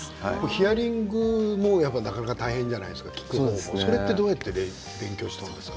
ヒアリングがなかなか大変じゃないですかどうやって勉強したんですか？